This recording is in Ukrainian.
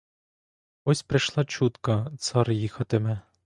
Ось прийшла чутка — цар їхатиме.